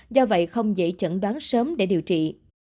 do vậy không dễ chẩn đoán sớm để điều trị